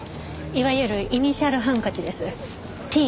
いわゆるイニシャルハンカチです。